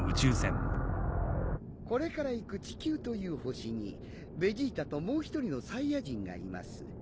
これから行く地球という星にベジータともう一人のサイヤ人がいます。